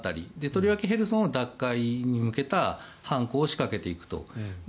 とりわけヘルソンの奪回に向けた反攻を仕掛けていくと。